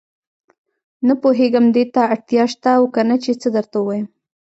نه پوهېږم دې ته اړتیا شته او کنه چې څه درته ووايم.